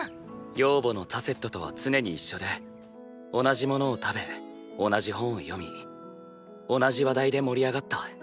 養母のタセットとは常に一緒で同じものを食べ同じ本を読み同じ話題で盛り上がった。